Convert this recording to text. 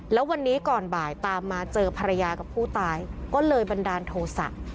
แล้ววันนี้ก่อนบ่ายตามมาเจอภรรยากับผู้ตายก็เลยบันดาลโทษะ